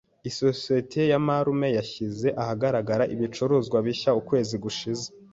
Isosiyete ya marume yashyize ahagaragara ibicuruzwa bishya ukwezi gushize.